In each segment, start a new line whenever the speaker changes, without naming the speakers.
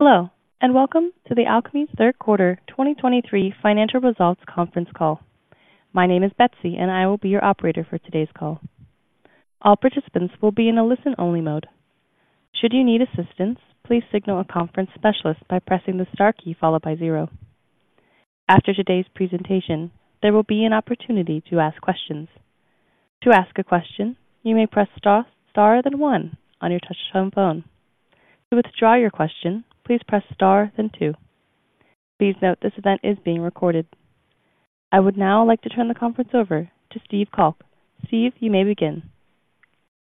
Hello, and welcome to the Alkami Third Quarter 2023 Financial Results Conference Call. My name is Betsy, and I will be your Operator for today's call. All participants will be in a listen-only mode. Should you need assistance, please signal a conference specialist by pressing the star key followed by zero. After today's presentation, there will be an opportunity to ask questions. To ask a question, you may press star star then one on your touch tone phone. To withdraw your question, please press star then two. Please note this event is being recorded. I would now like to turn the conference over to Steve Calk. Steve, you may begin.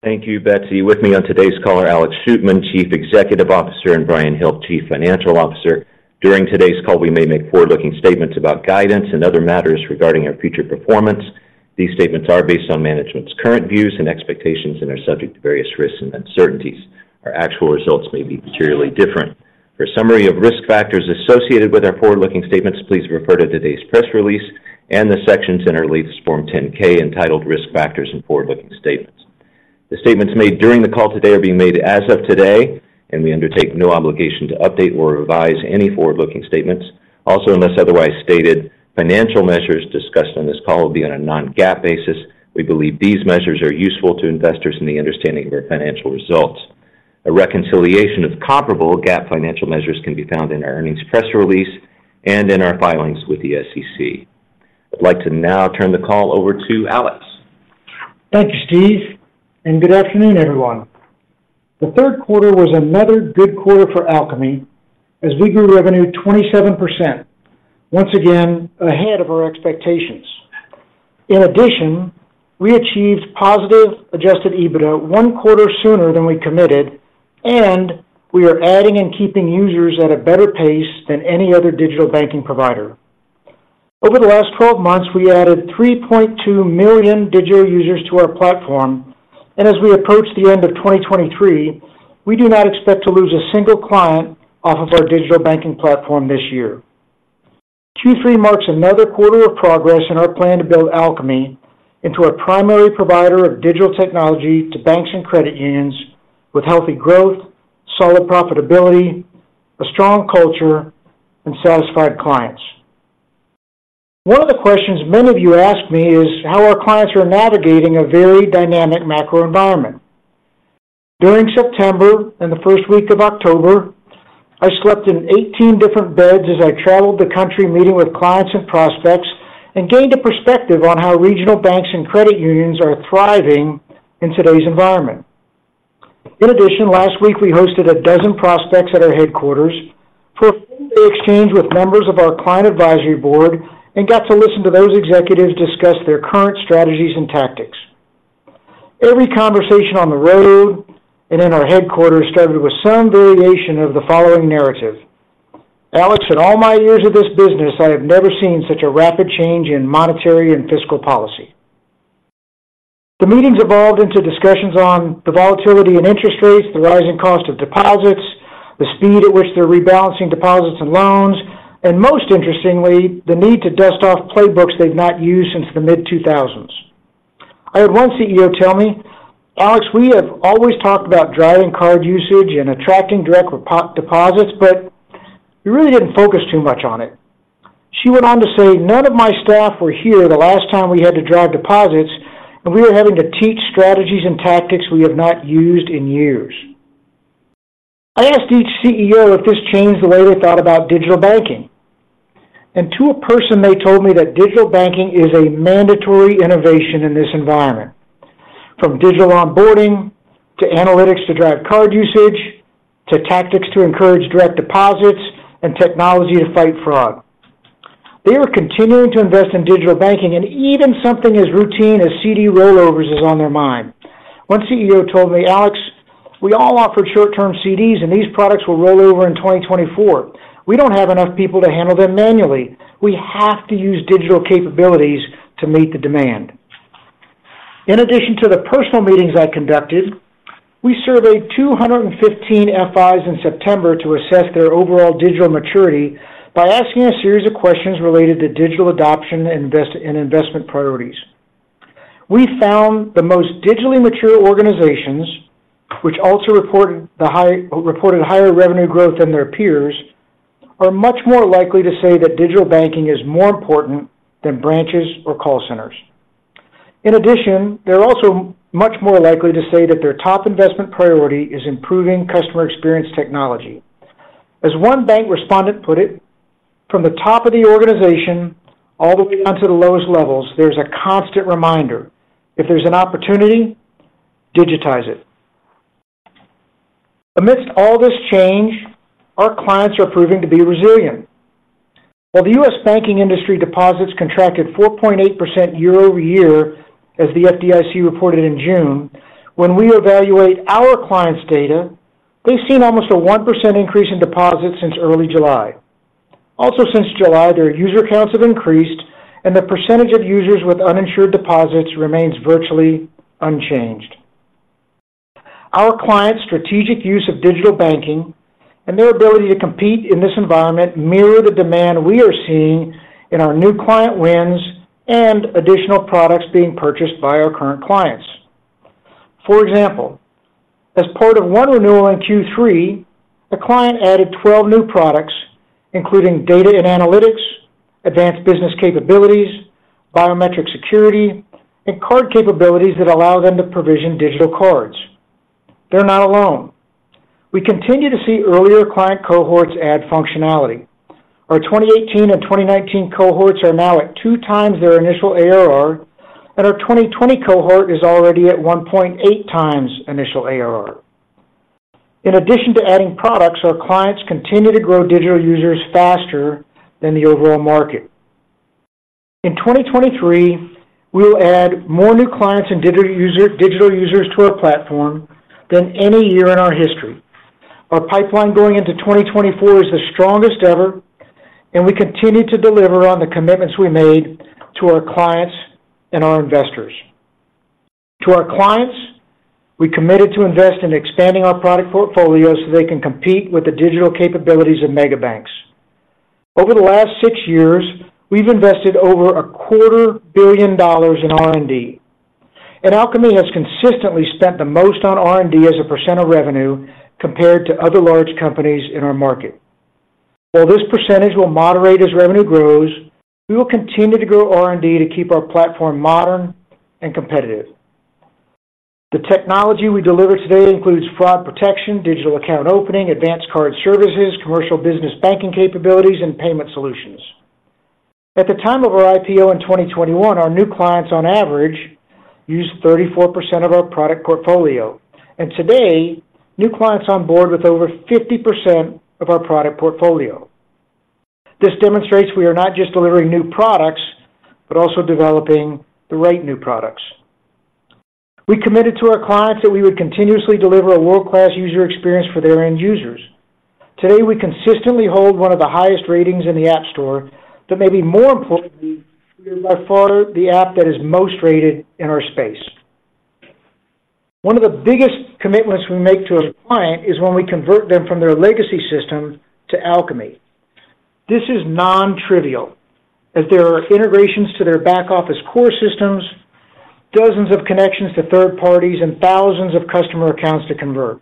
Thank you, Betsy. With me on today's call are Alex Shootman, Chief Executive Officer, and Bryan Hill, Chief Financial Officer. During today's call, we may make forward-looking statements about guidance and other matters regarding our future performance. These statements are based on management's current views and expectations and are subject to various risks and uncertainties. Our actual results may be materially different. For a summary of risk factors associated with our forward-looking statements, please refer to today's press release and the sections in our latest Form 10-K entitled Risk Factors and Forward-Looking Statements. The statements made during the call today are being made as of today, and we undertake no obligation to update or revise any forward-looking statements. Also, unless otherwise stated, financial measures discussed on this call will be on a non-GAAP basis. We believe these measures are useful to investors in the understanding of our financial results. A reconciliation of comparable GAAP financial measures can be found in our earnings press release and in our filings with the SEC. I'd like to now turn the call over to Alex.
Thank you, Steve, and good afternoon, everyone. The third quarter was another good quarter for Alkami as we grew revenue 27%, once again ahead of our expectations. In addition, we achieved positive Adjusted EBITDA one quarter sooner than we committed, and we are adding and keeping users at a better pace than any other digital banking provider. Over the last 12 months, we added 3.2 million digital users to our platform, and as we approach the end of 2023, we do not expect to lose a single client off of our digital banking platform this year. Q3 marks another quarter of progress in our plan to build Alkami into a primary provider of digital technology to banks and credit unions with healthy growth, solid profitability, a strong culture and satisfied clients. One of the questions many of you ask me is how our clients are navigating a very dynamic macro environment. During September and the first week of October, I slept in 18 different beds as I traveled the country, meeting with clients and prospects, and gained a perspective on how regional banks and credit unions are thriving in today's environment. In addition, last week we hosted 12 prospects at our headquarters for a full day exchange with members of our client advisory board and got to listen to those executives discuss their current strategies and tactics. Every conversation on the road and in our headquarters started with some variation of the following narrative. "Alex, in all my years of this business, I have never seen such a rapid change in monetary and fiscal policy." The meetings evolved into discussions on the volatility in interest rates, the rising cost of deposits, the speed at which they're rebalancing deposits and loans, and most interestingly, the need to dust off playbooks they've not used since the mid-2000s. I had one CEO tell me, "Alex, we have always talked about driving card usage and attracting direct deposits, but we really didn't focus too much on it." She went on to say, "None of my staff were here the last time we had to drive deposits, and we are having to teach strategies and tactics we have not used in years." I asked each CEO if this changed the way they thought about digital banking, and to a person, they told me that digital banking is a mandatory innovation in this environment. From digital onboarding to analytics to drive card usage, to tactics to encourage direct deposits and technology to fight fraud. They are continuing to invest in digital banking, and even something as routine as CD rollovers is on their mind. One CEO told me, "Alex, we all offer short-term CDs, and these products will roll over in 2024. We don't have enough people to handle them manually. We have to use digital capabilities to meet the demand." In addition to the personal meetings I conducted, we surveyed 215 FIs in September to assess their overall digital maturity by asking a series of questions related to digital adoption and investment priorities. We found the most digitally mature organizations, which also reported higher revenue growth than their peers, are much more likely to say that digital banking is more important than branches or call centers. In addition, they're also much more likely to say that their top investment priority is improving customer experience technology. As one bank respondent put it, "From the top of the organization all the way down to the lowest levels, there's a constant reminder: if there's an opportunity, digitize it." Amidst all this change, our clients are proving to be resilient. While the U.S. banking industry deposits contracted 4.8% year-over-year, as the FDIC reported in June, when we evaluate our clients' data, we've seen almost a 1% increase in deposits since early July. Also, since July, their user counts have increased, and the percentage of users with uninsured deposits remains virtually unchanged. Our clients' strategic use of digital banking and their ability to compete in this environment mirror the demand we are seeing in our new client wins and additional products being purchased by our current clients.... For example, as part of one renewal in Q3, a client added 12 new products, including data and analytics, advanced business capabilities, biometric security, and card capabilities that allow them to provision digital cards. They're not alone. We continue to see earlier client cohorts add functionality. Our 2018 and 2019 cohorts are now at 2x their initial ARR, and our 2020 cohort is already at 1.8x initial ARR. In addition to adding products, our clients continue to grow digital users faster than the overall market. In 2023, we will add more new clients and digital user, digital users to our platform than any year in our history. Our pipeline going into 2024 is the strongest ever, and we continue to deliver on the commitments we made to our clients and our investors. To our clients, we committed to invest in expanding our product portfolio so they can compete with the digital capabilities of mega banks. Over the last six years, we've invested over $250 million in R&D, and Alkami has consistently spent the most on R&D as a percent of revenue compared to other large companies in our market. While this percentage will moderate as revenue grows, we will continue to grow R&D to keep our platform modern and competitive. The technology we deliver today includes fraud protection, digital account opening, advanced card services, commercial business banking capabilities, and payment solutions. At the time of our IPO in 2021, our new clients, on average, used 34% of our product portfolio, and today, new clients on board with over 50% of our product portfolio. This demonstrates we are not just delivering new products, but also developing the right new products. We committed to our clients that we would continuously deliver a world-class user experience for their end users. Today, we consistently hold one of the highest ratings in the App Store, but maybe more importantly, we are by far the app that is most rated in our space. One of the biggest commitments we make to a client is when we convert them from their legacy system to Alkami. This is non-trivial, as there are integrations to their back-office core systems, dozens of connections to third parties, and thousands of customer accounts to convert.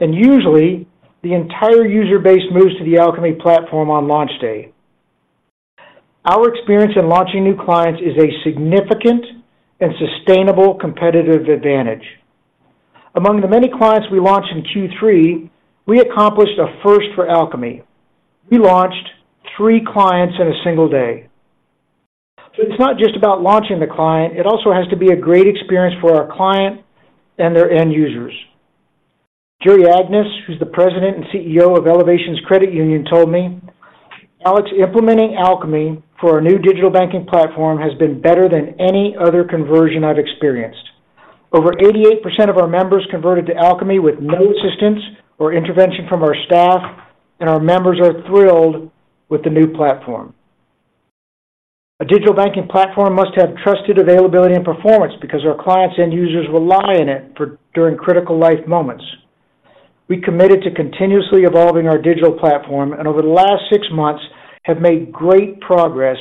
Usually, the entire user base moves to the Alkami platform on launch day. Our experience in launching new clients is a significant and sustainable competitive advantage. Among the many clients we launched in Q3, we accomplished a first for Alkami. We launched three clients in a single day. So it's not just about launching the client, it also has to be a great experience for our client and their end users. Gerry Agnes, who's the President and CEO of Elevations Credit Union, told me, "Alex, implementing Alkami for our new digital banking platform has been better than any other conversion I've experienced. Over 88% of our members converted to Alkami with no assistance or intervention from our staff, and our members are thrilled with the new platform." A digital banking platform must have trusted availability and performance because our clients and users rely on it for during critical life moments. We committed to continuously evolving our digital platform, and over the last six months, have made great progress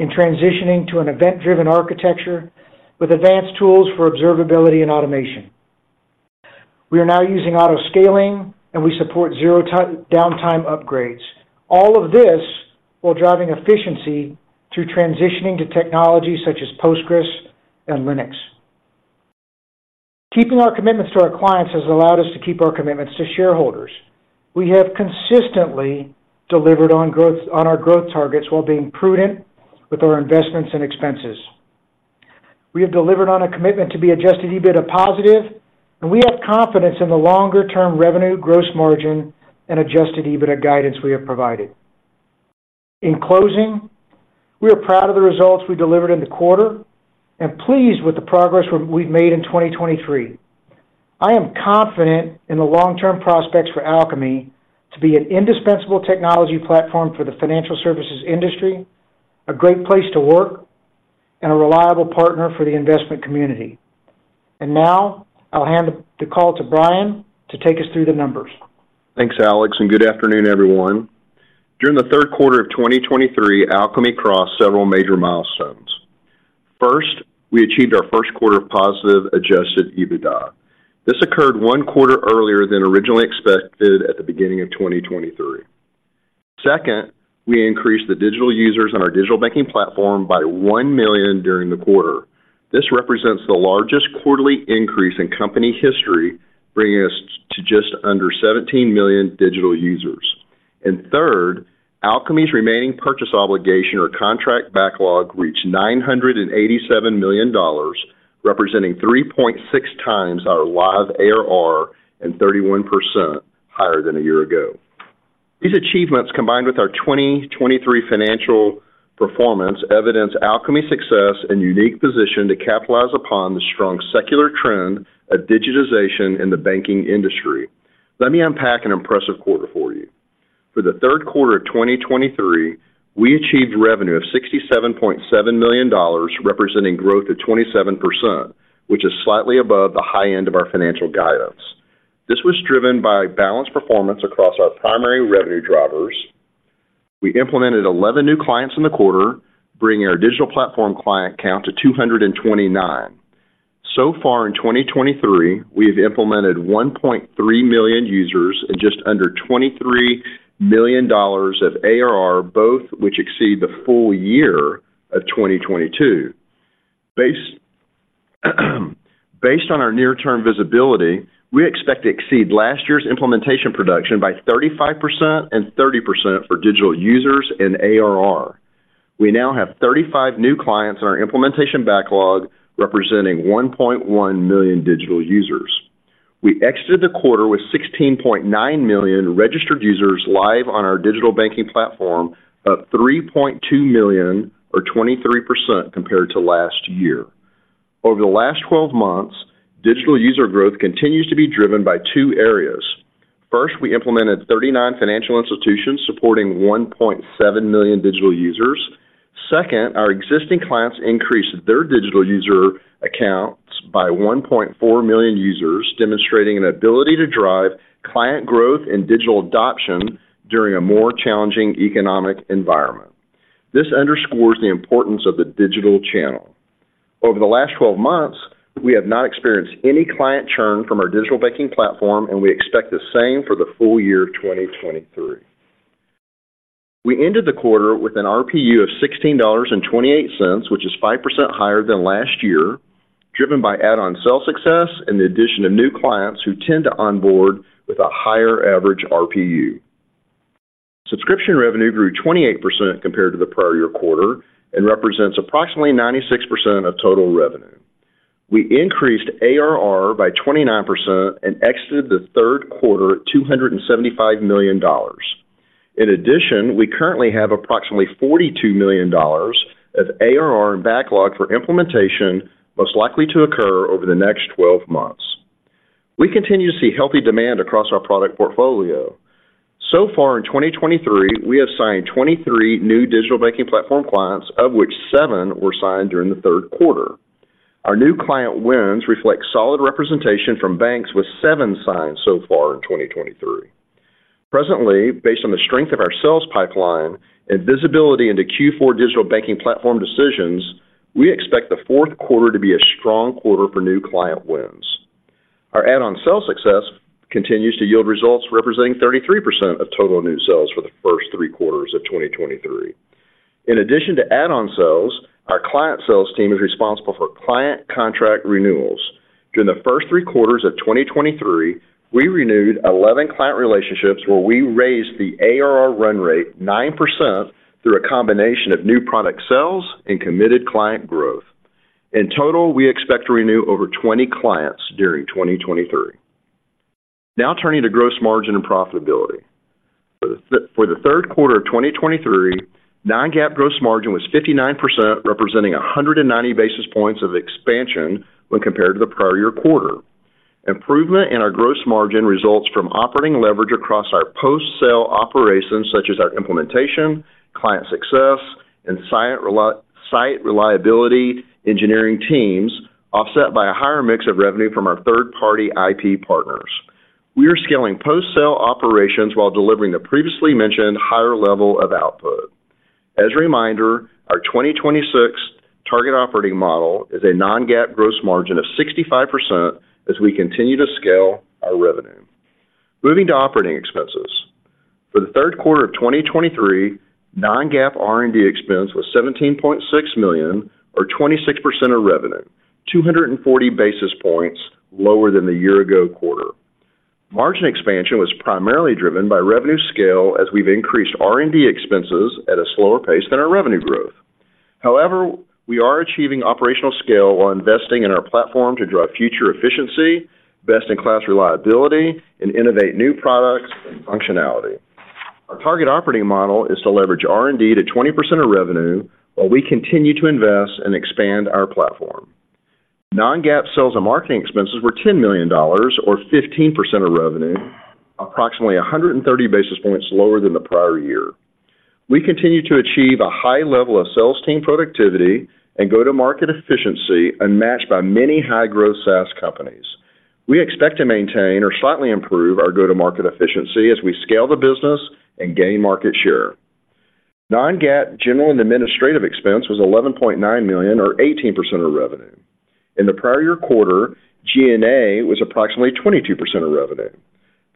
in transitioning to an event-driven architecture with advanced tools for observability and automation. We are now using auto-scaling, and we support zero-downtime upgrades. All of this while driving efficiency through transitioning to technologies such as Postgres and Linux. Keeping our commitments to our clients has allowed us to keep our commitments to shareholders. We have consistently delivered on growth on our growth targets while being prudent with our investments and expenses. We have delivered on a commitment to be Adjusted EBITDA positive, and we have confidence in the longer-term revenue, gross margin, and Adjusted EBITDA guidance we have provided. In closing, we are proud of the results we delivered in the quarter and pleased with the progress we've made in 2023. I am confident in the long-term prospects for Alkami to be an indispensable technology platform for the financial services industry, a great place to work, and a reliable partner for the investment community. Now, I'll hand the call to Bryan to take us through the numbers.
Thanks, Alex, and good afternoon, everyone. During the third quarter of 2023, Alkami crossed several major milestones. First, we achieved our first quarter of positive Adjusted EBITDA. This occurred one quarter earlier than originally expected at the beginning of 2023. Second, we increased the digital users on our digital banking platform by 1 million during the quarter. This represents the largest quarterly increase in company history, bringing us to just under 17 million digital users. And third, Alkami's remaining purchase obligation or contract backlog reached $987 million, representing 3.6x our live ARR and 31% higher than a year ago. These achievements, combined with our 2023 financial performance, evidence Alkami's success and unique position to capitalize upon the strong secular trend of digitization in the banking industry. Let me unpack an impressive quarter for you. For the third quarter of 2023, we achieved revenue of $67.7 million, representing growth of 27%, which is slightly above the high end of our financial guidance. This was driven by balanced performance across our primary revenue drivers.... We implemented 11 new clients in the quarter, bringing our digital platform client count to 229. So far in 2023, we have implemented 1.3 million users and just under $23 million of ARR, both which exceed the full year of 2022. Based on our near-term visibility, we expect to exceed last year's implementation production by 35% and 30% for digital users and ARR. We now have 35 new clients on our implementation backlog, representing 1.1 million digital users. We exited the quarter with 16.9 million registered users live on our digital banking platform, up 3.2 million or 23% compared to last year. Over the last 12 months, digital user growth continues to be driven by two areas. First, we implemented 39 financial institutions supporting 1.7 million digital users. Second, our existing clients increased their digital user accounts by 1.4 million users, demonstrating an ability to drive client growth and digital adoption during a more challenging economic environment. This underscores the importance of the digital channel. Over the last 12 months, we have not experienced any client churn from our digital banking platform, and we expect the same for the full year of 2023. We ended the quarter with an ARPU of $16.28, which is 5% higher than last year, driven by add-on sale success and the addition of new clients who tend to onboard with a higher average ARPU. Subscription revenue grew 28% compared to the prior year quarter and represents approximately 96% of total revenue. We increased ARR by 29% and exited the third quarter at $275 million. In addition, we currently have approximately $42 million of ARR in backlog for implementation, most likely to occur over the next 12 months. We continue to see healthy demand across our product portfolio. So far in 2023, we have signed 23 new digital banking platform clients, of which seven were signed during the third quarter. Our new client wins reflect solid representation from banks, with seven signed so far in 2023. Presently, based on the strength of our sales pipeline and visibility into Q4 digital banking platform decisions, we expect the fourth quarter to be a strong quarter for new client wins. Our add-on sale success continues to yield results, representing 33% of total new sales for the first three quarters of 2023. In addition to add-on sales, our client sales team is responsible for client contract renewals. During the first three quarters of 2023, we renewed 11 client relationships, where we raised the ARR run rate 9% through a combination of new product sales and committed client growth. In total, we expect to renew over 20 clients during 2023. Now turning to gross margin and profitability. For the third quarter of 2023, non-GAAP gross margin was 59%, representing 190 basis points of expansion when compared to the prior year quarter. Improvement in our gross margin results from operating leverage across our post-sale operations, such as our implementation, client success, and site reliability engineering teams, offset by a higher mix of revenue from our third-party IP partners. We are scaling post-sale operations while delivering the previously mentioned higher level of output. As a reminder, our 2026 target operating model is a non-GAAP gross margin of 65% as we continue to scale our revenue. Moving to operating expenses. For the third quarter of 2023, non-GAAP R&D expense was $17.6 million, or 26% of revenue, 240 basis points lower than the year ago quarter. Margin expansion was primarily driven by revenue scale, as we've increased R&D expenses at a slower pace than our revenue growth. However, we are achieving operational scale while investing in our platform to drive future efficiency, best-in-class reliability, and innovate new products and functionality. Our target operating model is to leverage R&D to 20% of revenue while we continue to invest and expand our platform. Non-GAAP sales and marketing expenses were $10 million, or 15% of revenue, approximately 130 basis points lower than the prior year. We continue to achieve a high level of sales team productivity and go-to-market efficiency unmatched by many high-growth SaaS companies. We expect to maintain or slightly improve our go-to-market efficiency as we scale the business and gain market share. Non-GAAP general and administrative expense was $11.9 million, or 18% of revenue. In the prior year quarter, G&A was approximately 22% of revenue.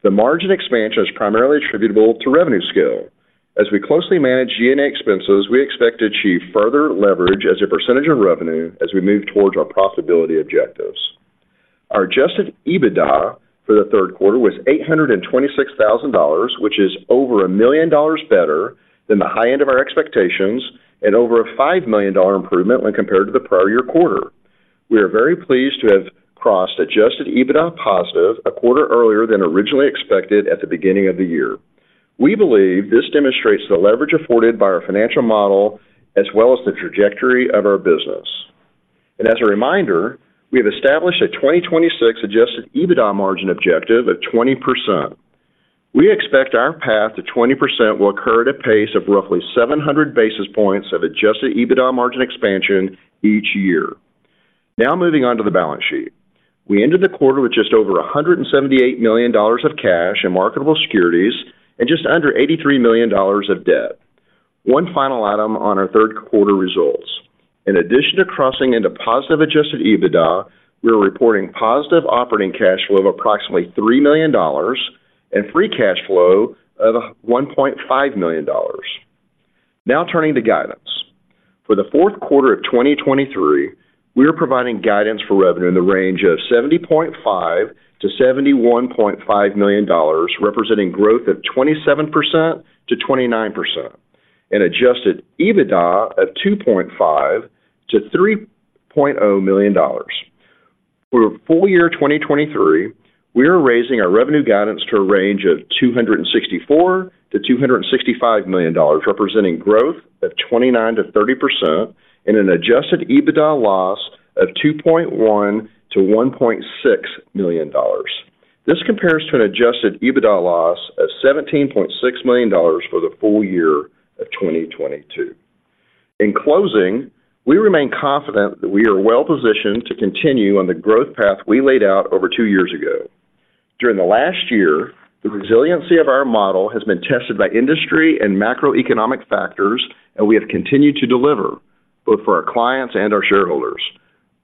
The margin expansion is primarily attributable to revenue scale. As we closely manage G&A expenses, we expect to achieve further leverage as a percentage of revenue as we move towards our profitability objectives. Our Adjusted EBITDA for the third quarter was $826,000, which is over $1 million better than the high end of our expectations and over a $5 million improvement when compared to the prior year quarter. We are very pleased to have crossed Adjusted EBITDA positive a quarter earlier than originally expected at the beginning of the year. We believe this demonstrates the leverage afforded by our financial model, as well as the trajectory of our business. As a reminder, we have established a 2026 Adjusted EBITDA margin objective of 20%. We expect our path to 20% will occur at a pace of roughly 700 basis points of Adjusted EBITDA margin expansion each year. Now moving on to the balance sheet. We ended the quarter with just over $178 million of cash and marketable securities, and just under $83 million of debt. One final item on our third quarter results. In addition to crossing into positive Adjusted EBITDA, we are reporting positive operating cash flow of approximately $3 million and free cash flow of $1.5 million. Now turning to guidance. For the fourth quarter of 2023, we are providing guidance for revenue in the range of $70.5 million-$71.5 million, representing growth of 27%-29%, and Adjusted EBITDA of $2.5 million-$3.0 million. For the full year 2023, we are raising our revenue guidance to a range of $264 million-$265 million, representing growth of 29%-30% and an Adjusted EBITDA loss of $2.1 million-$1.6 million. This compares to an Adjusted EBITDA loss of $17.6 million for the full year of 2022. In closing, we remain confident that we are well positioned to continue on the growth path we laid out over two years ago. During the last year, the resiliency of our model has been tested by industry and macroeconomic factors, and we have continued to deliver, both for our clients and our shareholders.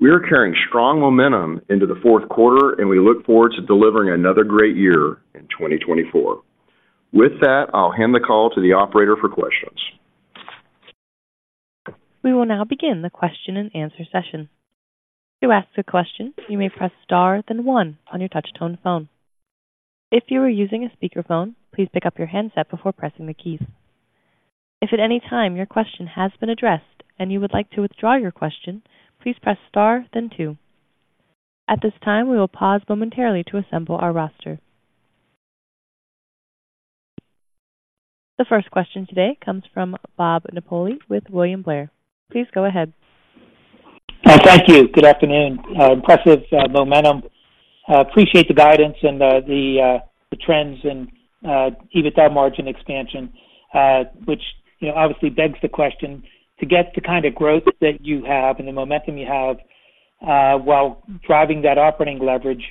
We are carrying strong momentum into the fourth quarter, and we look forward to delivering another great year in 2024. With that, I'll hand the call to the Operator for questions.
We will now begin the question-and-answer session. To ask a question, you may press star, then one on your touchtone phone. If you are using a speakerphone, please pick up your handset before pressing the keys. If at any time your question has been addressed and you would like to withdraw your question, please press star then two. At this time, we will pause momentarily to assemble our roster. The first question today comes from Bob Napoli with William Blair. Please go ahead.
Thank you. Good afternoon. Impressive momentum. Appreciate the guidance and the trends and EBITDA margin expansion, which, you know, obviously begs the question, to get the kind of growth that you have and the momentum you have, while driving that operating leverage,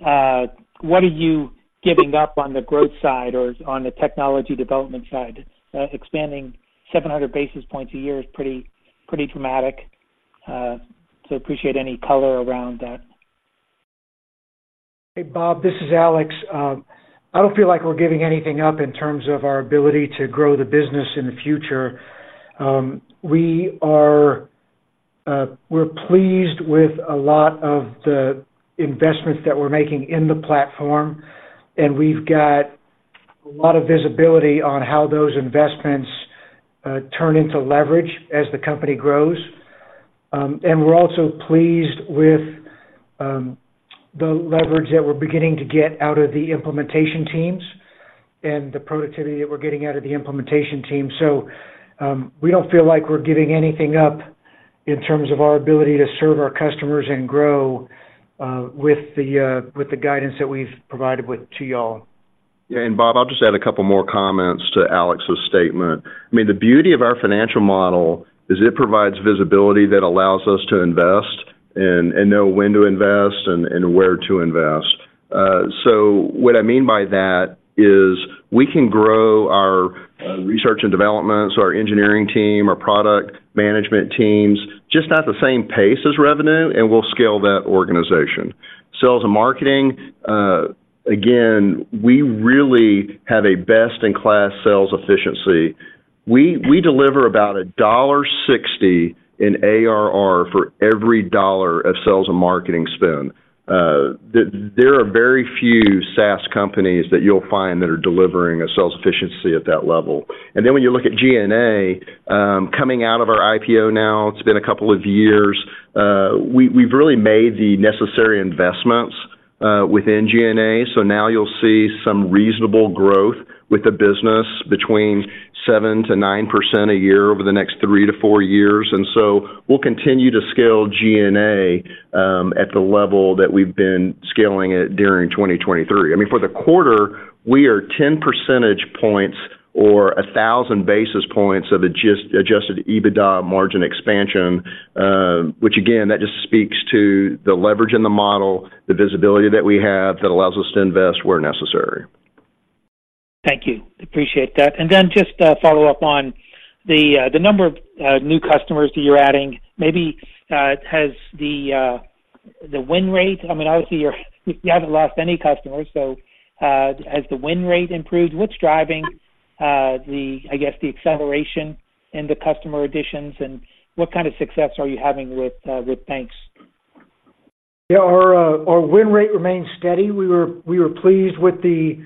what are you giving up on the growth side or on the technology development side? Expanding 700 basis points a year is pretty, pretty dramatic, so appreciate any color around that.
Hey, Bob, this is Alex. I don't feel like we're giving anything up in terms of our ability to grow the business in the future. We are pleased with a lot of the investments that we're making in the platform, and we've got a lot of visibility on how those investments turn into leverage as the company grows. And we're also pleased with the leverage that we're beginning to get out of the implementation teams and the productivity that we're getting out of the implementation team. So, we don't feel like we're giving anything up in terms of our ability to serve our customers and grow with the guidance that we've provided with to you all.
Yeah, and Bob, I'll just add a couple more comments to Alex's statement. I mean, the beauty of our financial model is it provides visibility that allows us to invest and know when to invest and where to invest. So what I mean by that is we can grow our research and developments, our engineering team, our product management teams, just not the same pace as revenue, and we'll scale that organization. Sales and marketing, again, we really have a best-in-class sales efficiency. We deliver about $1.60 in ARR for every dollar of sales and marketing spend. There are very few SaaS companies that you'll find that are delivering a sales efficiency at that level. And then when you look at G&A, coming out of our IPO now, it's been a couple of years, we've really made the necessary investments within G&A. So now you'll see some reasonable growth with the business between 7%-9% a year over the next three to four years. And so we'll continue to scale G&A at the level that we've been scaling it during 2023. I mean, for the quarter, we are 10 percentage points or 1,000 basis points of Adjusted EBITDA margin expansion, which again, that just speaks to the leverage in the model, the visibility that we have that allows us to invest where necessary.
Thank you. Appreciate that. And then just a follow-up on the number of new customers that you're adding. Maybe has the win rate... I mean, obviously, you're, you haven't lost any customers, so as the win rate improves, what's driving the acceleration in the customer additions, and what kind of success are you having with banks?
Yeah, our win rate remains steady. We were pleased with the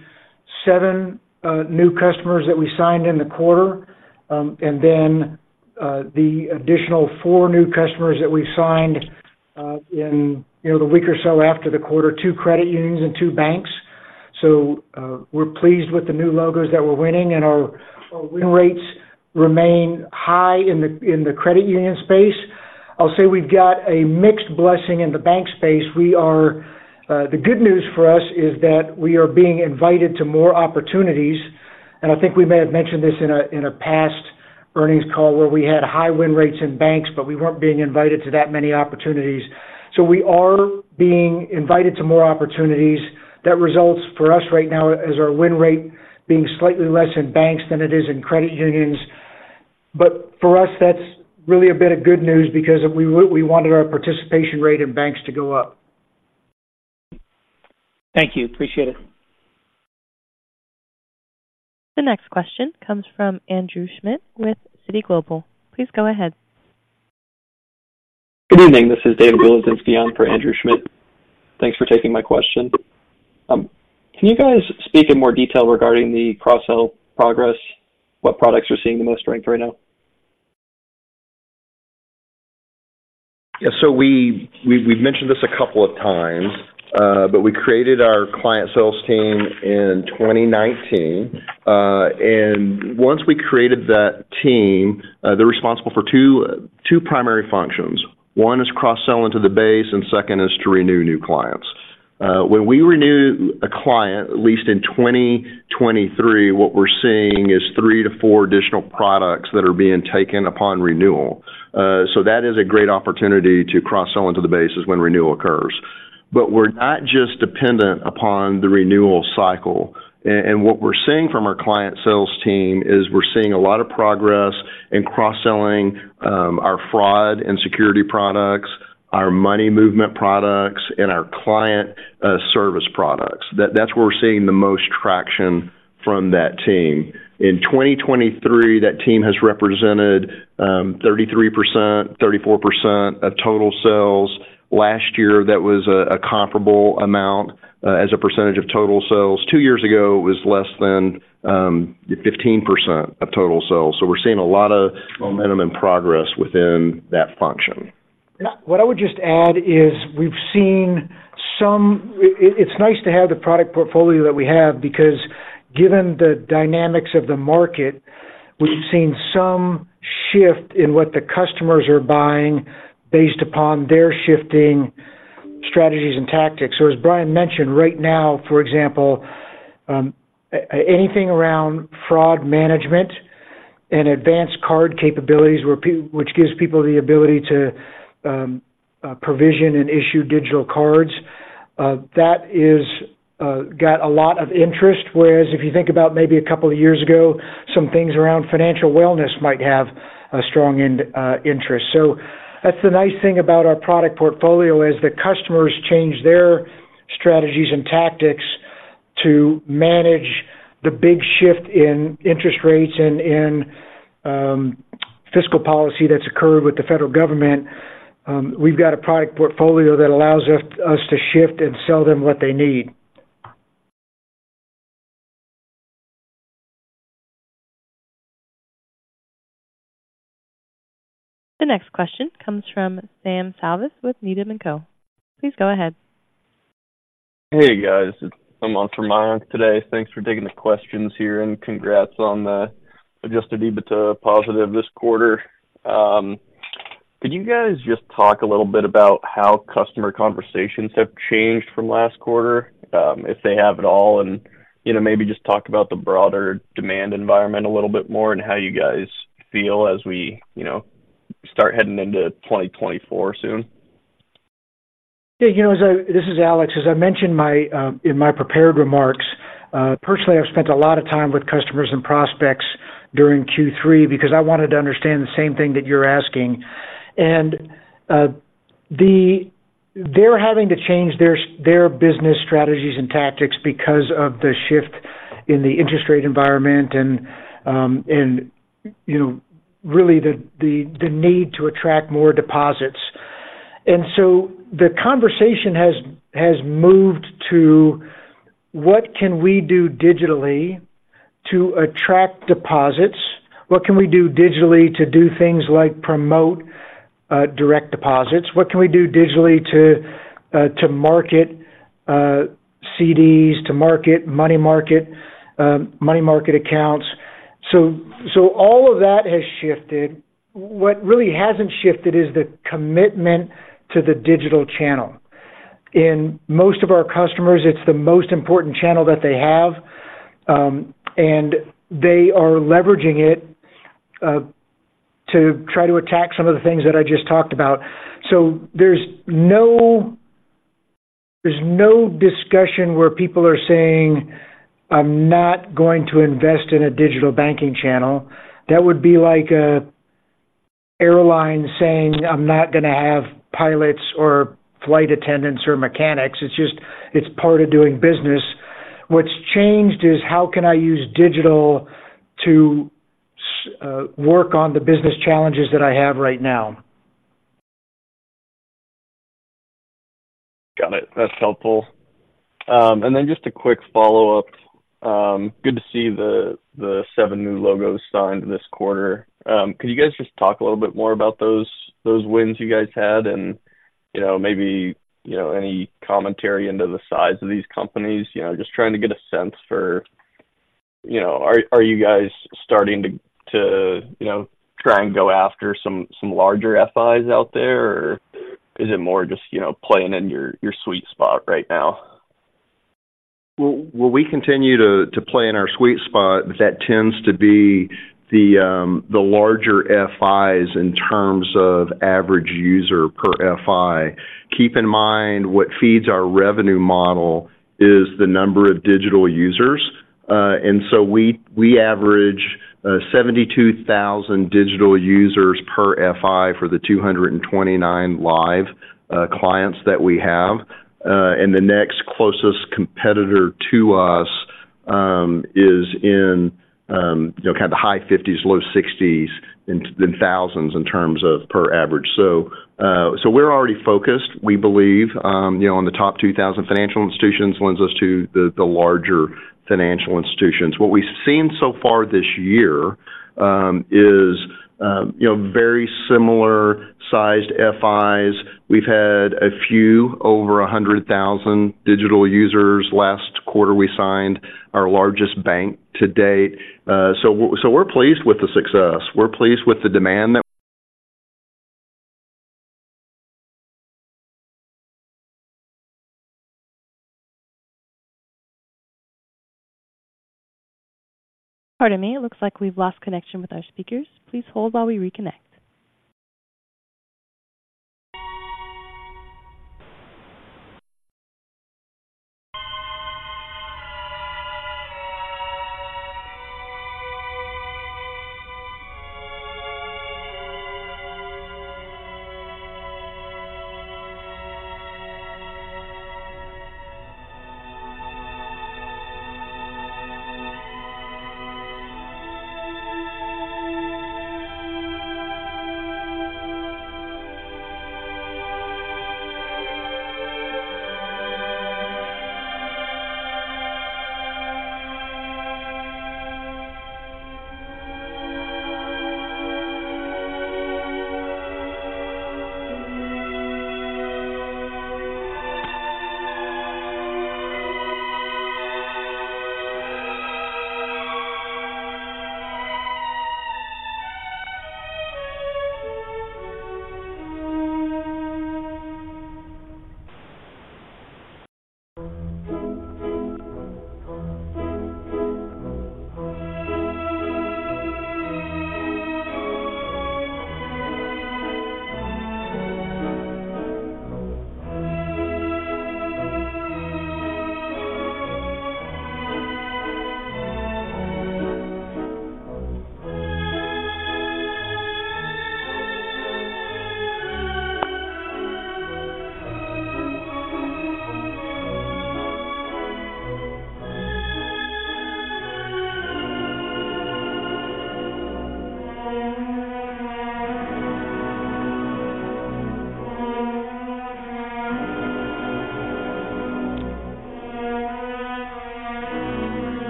seven new customers that we signed in the quarter. And then, the additional four new customers that we signed in, you know, the week or so after the quarter, two credit unions and two banks. So, we're pleased with the new logos that we're winning, and our win rates remain high in the credit union space. I'll say we've got a mixed blessing in the bank space. We are, the good news for us is that we are being invited to more opportunities, and I think we may have mentioned this in a past earnings call where we had high win rates in banks, but we weren't being invited to that many opportunities. So we are being invited to more opportunities. That results for us right now is our win rate being slightly less in banks than it is in credit unions. But for us, that's really a bit of good news because we wanted our participation rate in banks to go up.
Thank you. Appreciate it.
The next question comes from Andrew Schmidt with Citi Global. Please go ahead.
Good evening. This is David Gillis on for Andrew Schmidt. Thanks for taking my question. Can you guys speak in more detail regarding the cross-sell progress? What products are seeing the most strength right now?
Yeah, we've mentioned this a couple of times, but we created our client sales team in 2019. Once we created that team, they're responsible for two primary functions. One is cross-sell into the base, and second is to renew new clients. When we renew a client, at least in 2023, what we're seeing is three to four additional products that are being taken upon renewal. That is a great opportunity to cross-sell into the base when renewal occurs. We're not just dependent upon the renewal cycle. What we're seeing from our client sales team is we're seeing a lot of progress in cross-selling our fraud and security products, our money movement products, and our client service products. That's where we're seeing the most traction from that team. In 2023, that team has represented 33%-34% of total sales. Last year, that was a comparable amount as a percentage of total sales. Two years ago, it was less than 15% of total sales. So we're seeing a lot of momentum and progress within that function.
What I would just add is we've seen some. It's nice to have the product portfolio that we have, because given the dynamics of the market, we've seen some shift in what the customers are buying based upon their shifting strategies and tactics. So as Bryan mentioned, right now, for example, anything around fraud management and advanced card capabilities, which gives people the ability to provision and issue digital cards, that is got a lot of interest. Whereas if you think about maybe a couple of years ago, some things around financial wellness might have a strong interest. So that's the nice thing about our product portfolio, is the customers change their strategies and tactics to manage the big shift in interest rates and fiscal policy that's occurred with the federal government. We've got a product portfolio that allows us to shift and sell them what they need.
The next question comes from Sam Salvas with Needham & Company. Please go ahead.
Hey, guys, it's Mayank Tandon today. Thanks for taking the questions here, and congrats on the Adjusted EBITDA positive this quarter. Could you guys just talk a little bit about how customer conversations have changed from last quarter, if they have at all? And, you know, maybe just talk about the broader demand environment a little bit more, and how you guys feel as we, you know, start heading into 2024 soon.
Yeah, you know, as I, this is Alex. As I mentioned in my prepared remarks, personally, I've spent a lot of time with customers and prospects during Q3 because I wanted to understand the same thing that you're asking. And they're having to change their business strategies and tactics because of the shift in the interest rate environment and, you know, really, the need to attract more deposits. And so the conversation has moved to: what can we do digitally to attract deposits? What can we do digitally to do things like promote direct deposits? What can we do digitally to market CDs, to market money market accounts? So all of that has shifted. What really hasn't shifted is the commitment to the digital channel. In most of our customers, it's the most important channel that they have, and they are leveraging it to try to attack some of the things that I just talked about. So there's no, there's no discussion where people are saying, "I'm not going to invest in a digital banking channel." That would be like an airline saying, "I'm not going to have pilots or flight attendants or mechanics." It's just, it's part of doing business. What's changed is how can I use digital to work on the business challenges that I have right now?
Got it. That's helpful. And then just a quick follow-up. Good to see the seven new logos signed this quarter. Could you guys just talk a little bit more about those wins you guys had and, you know, maybe, you know, any commentary into the size of these companies? You know, just trying to get a sense for... You know, are you guys starting to, you know, try and go after some larger FIs out there, or is it more just, you know, playing in your sweet spot right now? ...
Well, well, we continue to play in our sweet spot. That tends to be the larger FIs in terms of average user per FI. Keep in mind, what feeds our revenue model is the number of digital users. And so we average 72,000 digital users per FI for the 229 live clients that we have. And the next closest competitor to us is, you know, kind of in the high 50s, low 60s, in thousands in terms of per average. So we're already focused. We believe, you know, on the top 2,000 financial institutions lends us to the larger financial institutions. What we've seen so far this year is, you know, very similar-sized FIs. We've had a few over 100,000 digital users. Last quarter, we signed our largest bank to date. So we're pleased with the success. We're pleased with the demand that-
Pardon me, it looks like we've lost connection with our speakers. Please hold while we reconnect.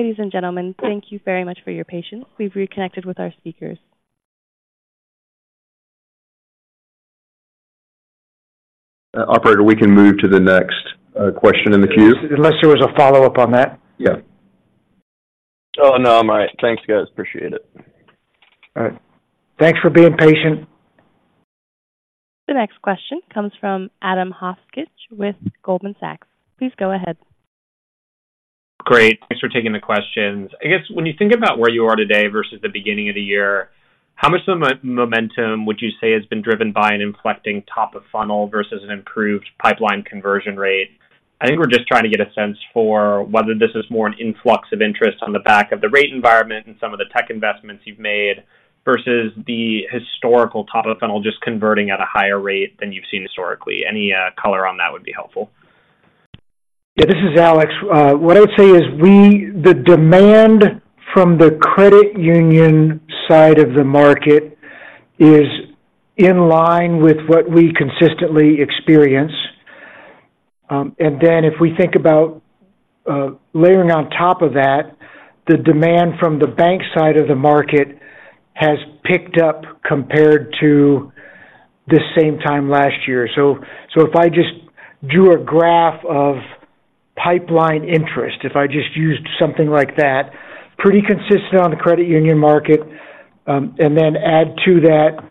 Ladies, and gentlemen, thank you very much for your patience. We've reconnected with our speakers.
Operator, we can move to the next question in the queue.
Unless there was a follow-up on that.
Yeah.
Oh, no, I'm all right. Thanks, guys. Appreciate it.
All right. Thanks for being patient.
The next question comes from Adam Hotchkiss with Goldman Sachs. Please go ahead.
Great. Thanks for taking the questions. I guess when you think about where you are today versus the beginning of the year, how much of the momentum would you say has been driven by an inflecting top of funnel versus an improved pipeline conversion rate? I think we're just trying to get a sense for whether this is more an influx of interest on the back of the rate environment and some of the tech investments you've made versus the historical top of funnel just converting at a higher rate than you've seen historically. Any color on that would be helpful.
Yeah, this is Alex. What I'd say is the demand from the credit union side of the market is in line with what we consistently experience. And then if we think about layering on top of that, the demand from the bank side of the market has picked up compared to the same time last year. So, if I just drew a graph of pipeline interest, if I just used something like that, pretty consistent on the credit union market, and then add to that,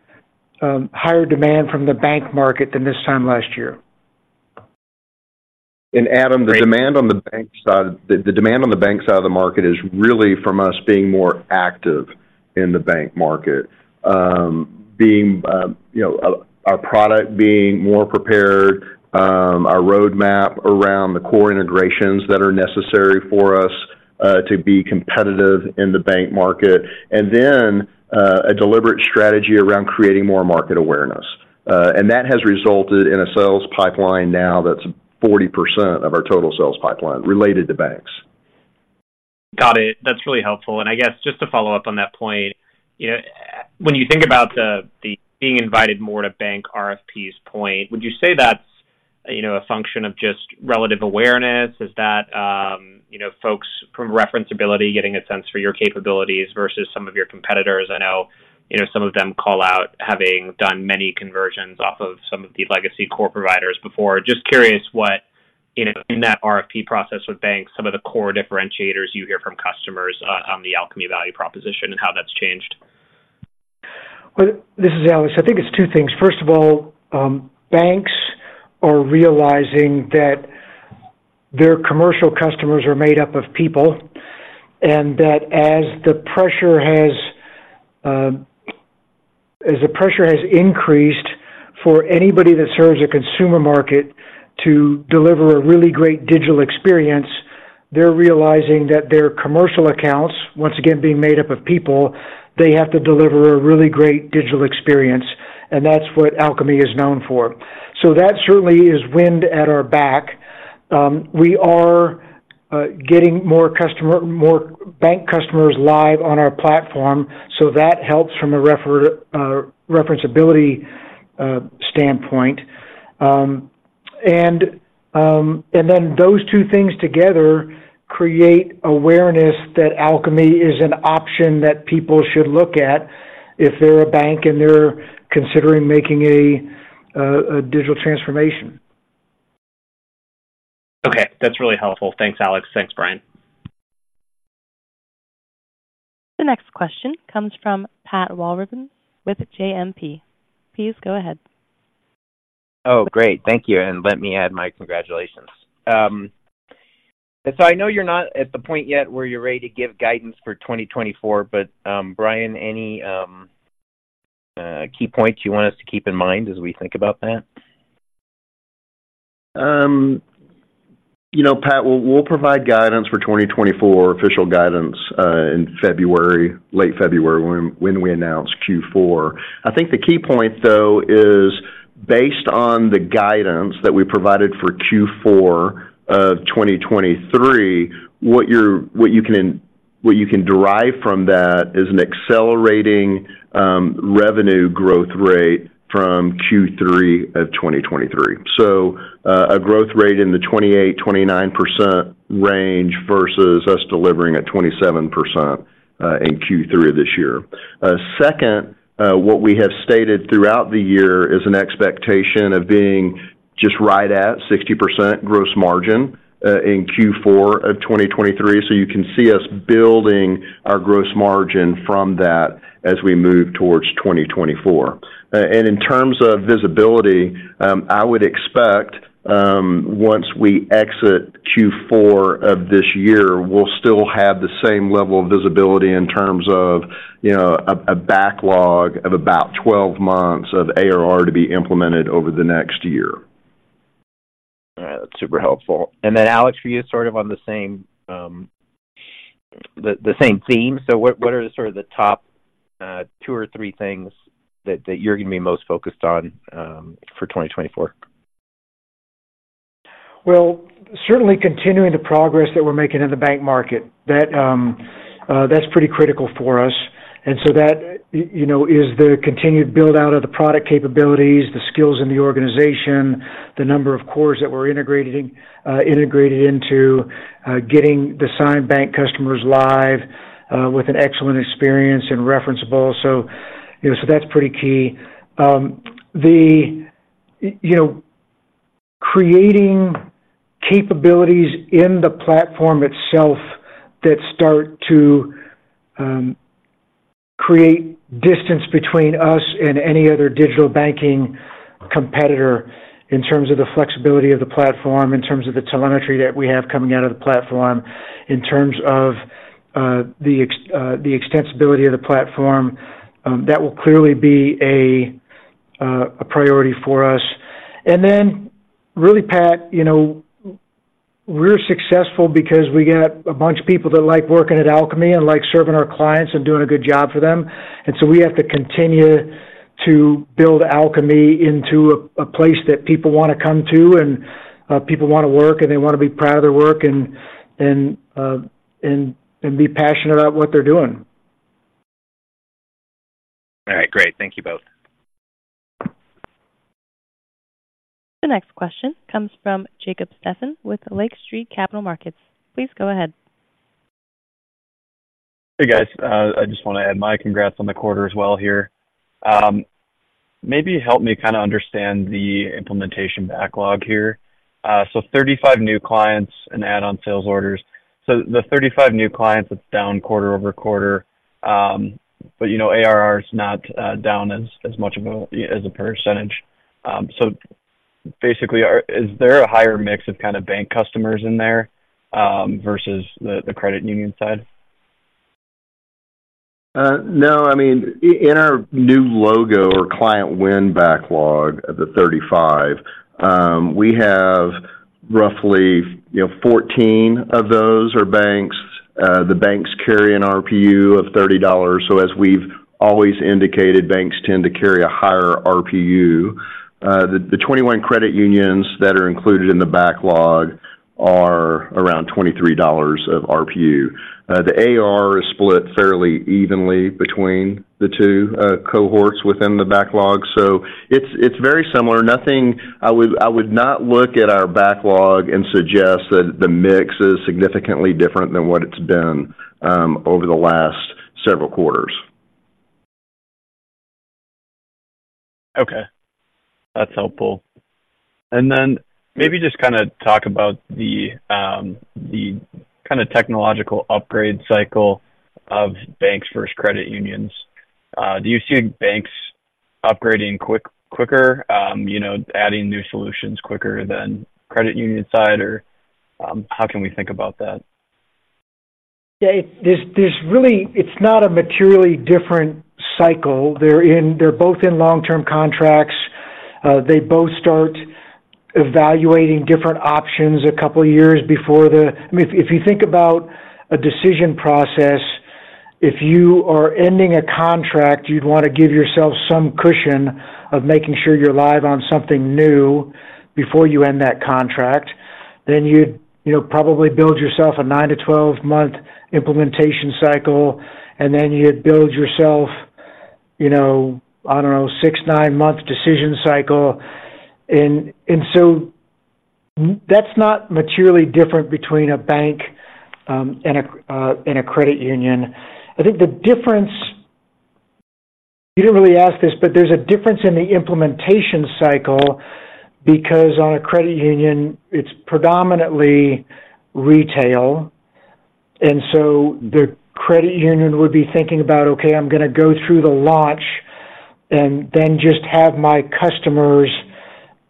higher demand from the bank market than this time last year.
And Adam, the demand on the bank side—the demand on the bank side of the market is really from us being more active in the bank market. Being, you know, our product being more prepared, our roadmap around the core integrations that are necessary for us to be competitive in the bank market, and then a deliberate strategy around creating more market awareness. And that has resulted in a sales pipeline now that's 40% of our total sales pipeline related to banks.
Got it. That's really helpful. And I guess just to follow up on that point, yeah, when you think about the being invited more to bank RFPs point, would you say that's, you know, a function of just relative awareness? Is that, you know, folks from referenceability getting a sense for your capabilities versus some of your competitors? I know, you know, some of them call out having done many conversions off of some of the legacy core providers before. Just curious what, you know, in that RFP process with banks, some of the core differentiators you hear from customers, on the Alkami value proposition and how that's changed.
Well, this is Alex. I think it's two things. First of all, banks are realizing that their commercial customers are made up of people, and that as the pressure has, as the pressure has increased for anybody that serves a consumer market to deliver a really great digital experience, they're realizing that their commercial accounts, once again, being made up of people, they have to deliver a really great digital experience, and that's what Alkami is known for. So that certainly is wind at our back. We are getting more bank customers live on our platform, so that helps from a referenceability standpoint. And then those two things together create awareness that Alkami is an option that people should look at if they're a bank, and they're considering making a digital transformation.
Okay, that's really helpful. Thanks, Alex. Thanks, Bryan.
The next question comes from Pat Walravens with JMP. Please go ahead.
Oh, great. Thank you, and let me add my congratulations. So I know you're not at the point yet where you're ready to give guidance for 2024, but, Bryan, any key points you want us to keep in mind as we think about that?
You know, Pat, we'll provide guidance for 2024, official guidance, in February, late February, when we announce Q4. I think the key point, though, is based on the guidance that we provided for Q4 of 2023, what you can derive from that is an accelerating revenue growth rate from Q3 of 2023. So, a growth rate in the 28%-29% range versus us delivering at 27% in Q3 of this year. Second, what we have stated throughout the year is an expectation of being just right at 60% gross margin in Q4 of 2023. So you can see us building our gross margin from that as we move towards 2024. In terms of visibility, I would expect, once we exit Q4 of this year, we'll still have the same level of visibility in terms of, you know, a backlog of about 12 months of ARR to be implemented over the next year.
All right. That's super helpful. And then, Alex, for you, sort of on the same theme. So what are sort of the top two or three things that you're going to be most focused on for 2024?
Well, certainly continuing the progress that we're making in the bank market, that's pretty critical for us. And so that, you know, is the continued build-out of the product capabilities, the skills in the organization, the number of cores that we're integrating into getting the signed bank customers live with an excellent experience and referenceable. So, you know, so that's pretty key. You know, creating capabilities in the platform itself that start to create distance between us and any other digital banking competitor in terms of the flexibility of the platform, in terms of the telemetry that we have coming out of the platform, in terms of the extensibility of the platform, that will clearly be a priority for us. And then really, Pat, you know, we're successful because we got a bunch of people that like working at Alkami and like serving our clients and doing a good job for them. And so we have to continue to build Alkami into a place that people want to come to, and people want to work, and they want to be proud of their work and be passionate about what they're doing.
All right. Great. Thank you both.
The next question comes from Jacob Stephan with Lake Street Capital Markets. Please go ahead.
Hey, guys. I just want to add my congrats on the quarter as well here. Maybe help me kind of understand the implementation backlog here. So 35 new clients and add-on sales orders. So the 35 new clients, it's down quarter-over-quarter, but, you know, ARR is not down as much of a percentage. So basically, is there a higher mix of kind of bank customers in there versus the credit union side?
No. I mean, in our new logo or client win backlog of the 35, we have roughly, you know, 14 of those are banks. The banks carry an ARPU of $30. So as we've always indicated, banks tend to carry a higher ARPU. The 21 credit unions that are included in the backlog are around $23 of ARPU. The AR is split fairly evenly between the two cohorts within the backlog. So it's very similar. Nothing... I would not look at our backlog and suggest that the mix is significantly different than what it's been over the last several quarters.
Okay. That's helpful. And then maybe just kinda talk about the kind of technological upgrade cycle of banks versus credit unions. Do you see banks upgrading quicker, you know, adding new solutions quicker than credit union side? Or, how can we think about that?
Yeah, there's really—it's not a materially different cycle. They're both in long-term contracts. They both start evaluating different options a couple of years before the... I mean, if you think about a decision process, if you are ending a contract, you'd want to give yourself some cushion of making sure you're live on something new before you end that contract, then you'd, you know, probably build yourself a nine to 12 month implementation cycle, and then you'd build yourself, you know, I don't know, six to nine month decision cycle. And so that's not materially different between a bank and a credit union. I think the difference... You didn't really ask this, but there's a difference in the implementation cycle because on a credit union, it's predominantly retail, and so the credit union would be thinking about, "Okay, I'm gonna go through the launch and then just have my customers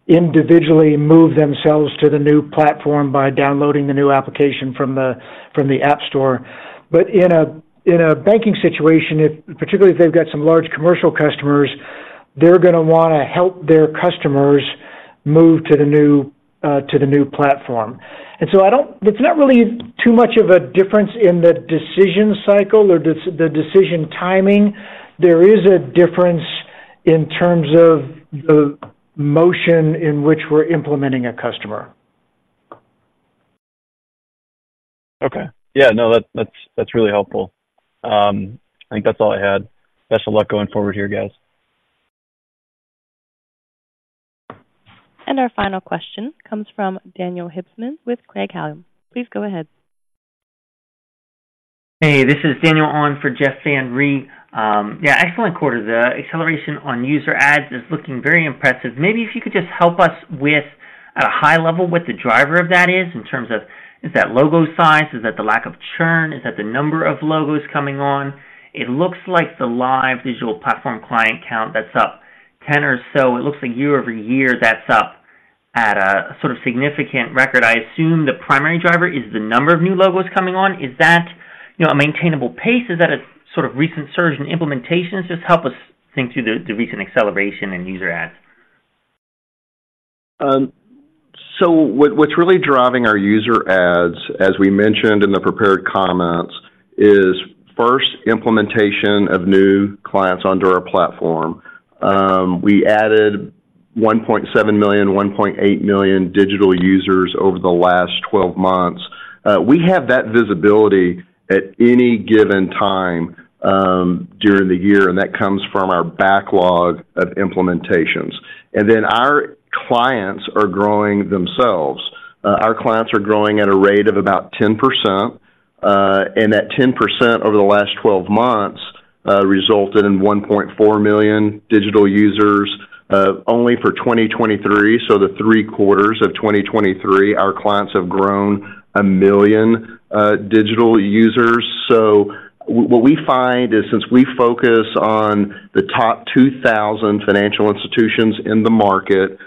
individually move themselves to the new platform by downloading the new application from the App Store." But in a banking situation, if particularly if they've got some large commercial customers, they're gonna wanna help their customers move to the new platform. And so I don't. There's not really too much of a difference in the decision cycle or the decision timing. There is a difference in terms of the motion in which we're implementing a customer.
Okay. Yeah, no, that, that's, that's really helpful. I think that's all I had. Best of luck going forward here, guys.
Our final question comes from Daniel Hibshman with Craig-Hallum. Please go ahead.
Hey, this is Daniel on for Jeff Van Rhee. Yeah, excellent quarter. The acceleration on user ads is looking very impressive. Maybe if you could just help us with, at a high level, what the driver of that is in terms of, is that logo size? Is that the lack of churn? Is that the number of logos coming on? It looks like the live digital platform client count that's up 10 or so. It looks like year-over-year, that's up at a sort of significant record. I assume the primary driver is the number of new logos coming on. Is that, you know, a maintainable pace? Is that a sort of recent surge in implementation? Just help us think through the, the recent acceleration in user ads.
So what, what's really driving our user adds, as we mentioned in the prepared comments, is first, implementation of new clients onto our platform. We added 1.7 million, 1.8 million digital users over the last 12 months. We have that visibility at any given time, during the year, and that comes from our backlog of implementations. And then our clients are growing themselves. Our clients are growing at a rate of about 10%, and that 10% over the last 12 months resulted in 1.4 million digital users only for 2023. So the three quarters of 2023, our clients have grown a million digital users. So what we find is, since we focus on the top 2,000 financial institutions in the market,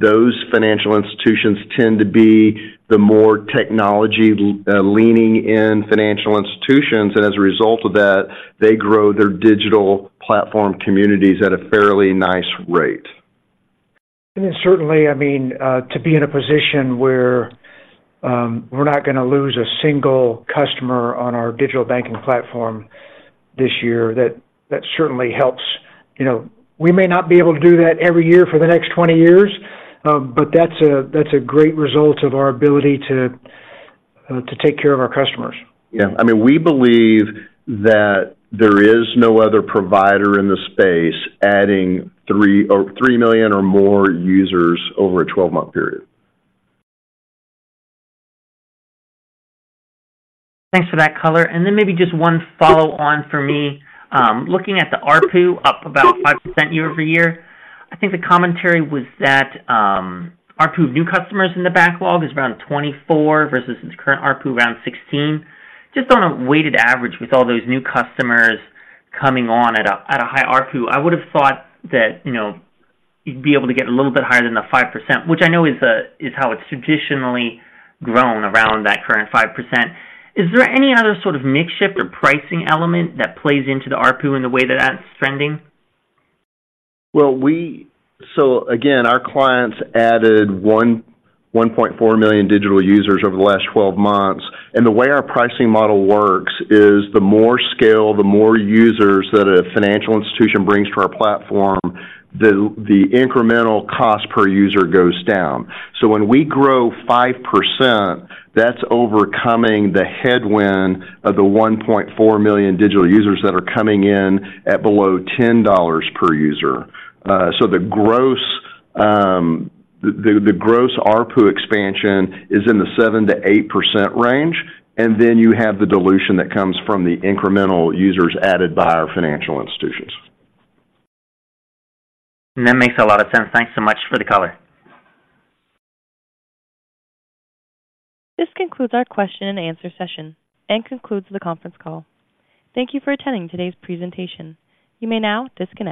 those financial institutions tend to be the more technology leaning financial institutions, and as a result of that, they grow their digital platform communities at a fairly nice rate.
And then certainly, I mean, to be in a position where, we're not gonna lose a single customer on our digital banking platform this year, that, that certainly helps. You know, we may not be able to do that every year for the next 20 years, but that's a, that's a great result of our ability to, to take care of our customers.
Yeah. I mean, we believe that there is no other provider in the space adding 3 or 3 million or more users over a 12-month period.
Thanks for that color. And then maybe just one follow-on for me. Looking at the ARPU up about 5% year-over-year, I think the commentary was that, ARPU, new customers in the backlog is around 24 versus its current ARPU around 16. Just on a weighted average, with all those new customers coming on at a high ARPU, I would have thought that, you know, you'd be able to get a little bit higher than the 5%, which I know is how it's traditionally grown around that current 5%. Is there any other sort of mix shift or pricing element that plays into the ARPU and the way that that's trending?
Well, so again, our clients added 1.4 million digital users over the last 12 months, and the way our pricing model works is the more scale, the more users that a financial institution brings to our platform, the incremental cost per user goes down. So when we grow 5%, that's overcoming the headwind of the 1.4 million digital users that are coming in at below $10 per user. So the gross, the gross ARPU expansion is in the 7%-8% range, and then you have the dilution that comes from the incremental users added by our financial institutions.
That makes a lot of sense. Thanks so much for the color.
This concludes our question-and-answer session and concludes the conference call. Thank you for attending today's presentation. You may now disconnect.